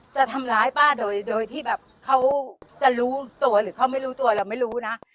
จะทำร้ายป้าโดยที่แบบเขาจะรู้ตัวหรือเขาไม่รู้ตัวเราไม่รู้นะ